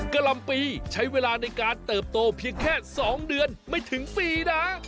กะลำปีใช้เวลาในการเติบโตเพียงแค่๒เดือนไม่ถึงปีนะ